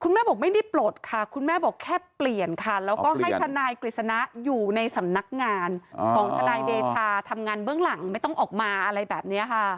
แม่บอกไม่ได้ปลดค่ะคุณแม่บอกแค่เปลี่ยนค่ะแล้วก็ให้ทนายกฤษณะอยู่ในสำนักงานของทนายเดชาทำงานเบื้องหลังไม่ต้องออกมาอะไรแบบนี้ค่ะ